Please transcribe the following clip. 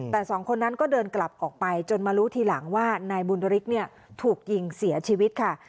แต่สองคนนั้นก็เดินกลับออกไปจนมารู้ทีหลังว่านายบุญดริกเนี่ยถูกยิงเสียชีวิตค่ะ